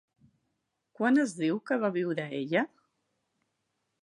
Quan es diu que va viure ella?